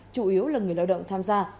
chủ yếu là người lao động tham gia